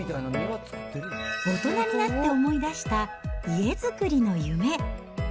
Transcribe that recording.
大人になって思い出した家作りの夢。